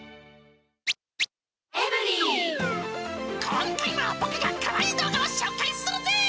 今回も僕がかわいい動画を紹介するぜ。